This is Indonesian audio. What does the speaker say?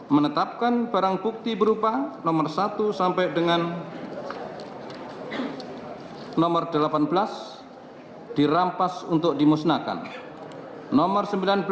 lima menetapkan barang bukti berupa nomor satu sampai dengan nomor dua